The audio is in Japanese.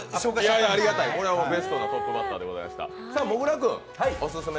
これはベストなトップバッターでございました。